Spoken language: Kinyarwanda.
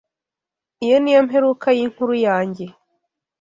Iyi niyo mperuka yinkuru yanjye.